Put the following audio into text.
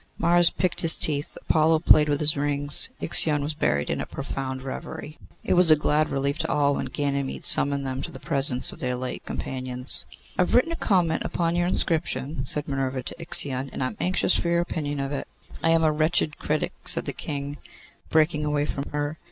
Mars picked his teeth, Apollo played with his rings, Ixion was buried in a profound reverie. It was a great relief to all when Ganymede summoned them to the presence of their late companions. 'I have written a comment upon your inscription,' said Minerva to Ixion, 'and am anxious for your opinion of it.' 'I am a wretched critic,' said the King, breaking away from her.